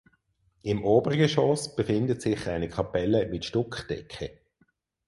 Im Obergeschoss befindet sich eine Kapelle mit Stuckdecke.